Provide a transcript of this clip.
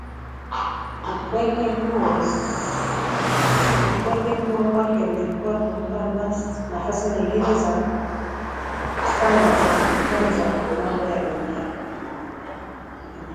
Upweke huo kwake ulikuwa ukimpa nafasi nyingi sana za kujifunza mambo ya dunia